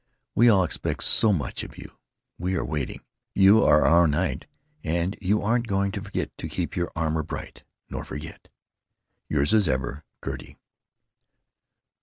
We all expect so much of you—we are waiting! You are our knight & you aren't going to forget to keep your armor bright, nor forget, Yours as ever, Gertie.